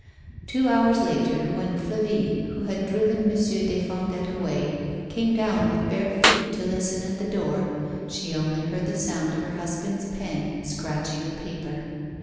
Two hours later, when Flavie, who had driven Monsieur des Fondettes away, came down with bare feet to listen at the door, she only heard the sound of her husband's pen scratching the paper.